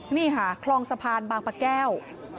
นี่ค่ะคลองสะพานบางปะแก้ว